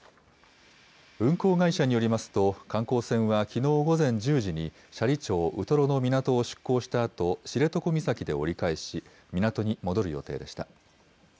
運航会社によりますと、観光船はきのう午前１０時に、斜里町ウトロの港を出港したあと、知床岬で折り返し、港に戻る予定でした。